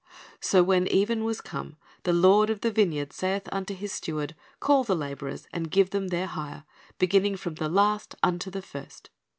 "So when even was come, the lord of the vineyard saith unto his steward, Call the laborers, and give them their hire, beginning from the last unto the first.